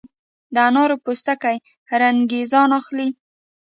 د انارو پوستکي رنګریزان اخلي؟